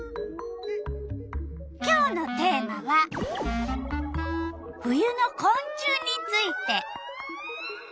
今日のテーマは「冬のこん虫」について。